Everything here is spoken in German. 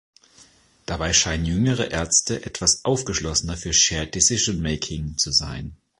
Dabei scheinen jüngere Ärzte etwas aufgeschlossener für Shared Decision Making zu sein.